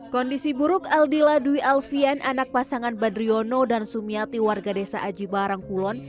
kondisi buruk aldila dwi alfian anak pasangan badriono dan sumiati warga desa aji barang kulon